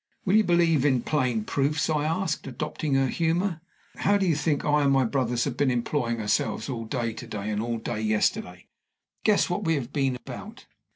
"Will you believe in plain proofs?" I asked, adopting her humor. "How do you think I and my brothers have been employing ourselves all day to day and all day yesterday? Guess what we have been about."